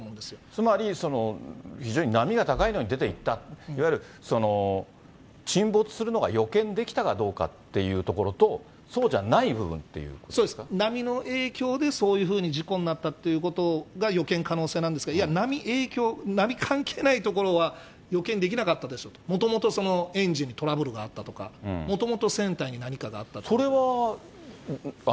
つまり、非常に波が高いのに出ていった、いわゆる沈没するのが予見できたかどうかっていうところと、そうそうです、波の影響でそういうふうに事故になったということが予見可能性なんですけれども、いや、波、影響、波関係ないところは予見できなかったでしょと、もともとエンジンにトラブルがあったとか、もともと船体に何かがあったとか。